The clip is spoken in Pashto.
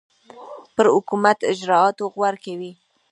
پر حکومتي اجرآتو غور کوي.